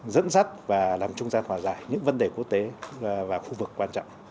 dẫn dắt và làm trung gian hòa giải những vấn đề quốc tế và khu vực quan trọng